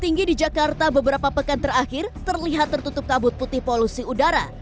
tinggi di jakarta beberapa pekan terakhir terlihat tertutup kabut putih polusi udara